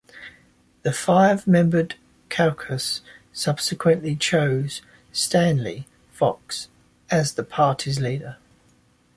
The five-member caucus subsequently chose Stanley Fox as the party's leader.